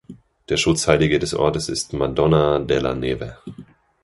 Der Schutzheilige des Ortes ist "Madonna della neve".